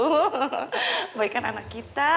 oh baik kan anak kita